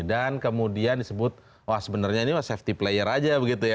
dan kemudian disebut wah sebenarnya ini safety player aja begitu ya